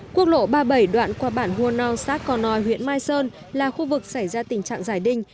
quốc lộ ba mươi bảy đoạn qua bản hua non xã cò nòi huyện mai sơn là khu vực xảy ra tình trạng giải đinh